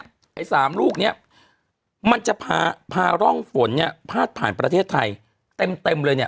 ไอ้สามลูกเนี้ยมันจะพาร่องฝนเนี่ยพาดผ่านประเทศไทยเต็มเต็มเลยเนี่ย